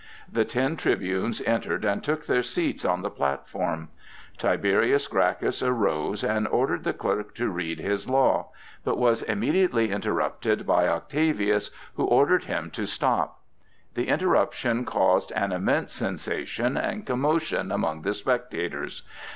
The ten tribunes entered and took their seats on the platform. Tiberius Gracchus arose and ordered the clerk to read his law, but was immediately interrupted by Octavius, who ordered him to stop. The interruption caused an immense sensation and commotion among the spectators.